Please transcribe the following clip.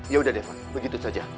yaudah devon begitu saja